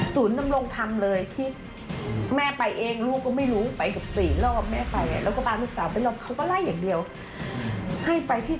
ศูนย์นำรงค์ทำเลยคิด